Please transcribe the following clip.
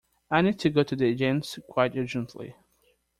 I need to go to the gents quite urgently